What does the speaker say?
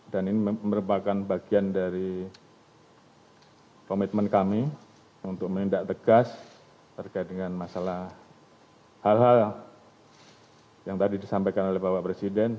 dan ini merupakan bagian dari komitmen kami untuk menindak tegas terkait dengan masalah hal hal yang tadi disampaikan oleh bapak presiden